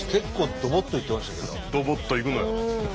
ドボッといくのよ。